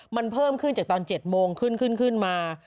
มันเพิ่มขึ้นจากตอน๗โมงขึ้นมา